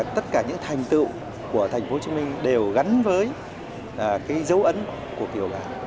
tất cả những thành tựu của tp hcm đều gắn với dấu ấn của kiều bào